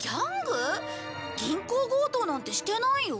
銀行強盗なんてしてないよ？